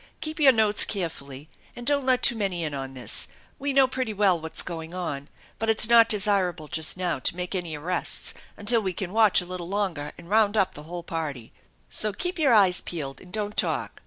Keep your notes carefully and don't let too many in on this. We know pretty well what's going on, but it's not desirable just now to make any arrests until we can watch a little longer and round up the whole party. So keep your eyes peeled, and don't talk."